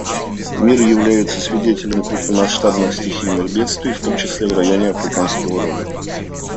Мир является свидетелем крупномасштабных стихийных бедствий, в том числе в районе Африканского Рога.